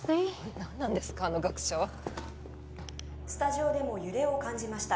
何なんですかあの学者はスタジオでも揺れを感じました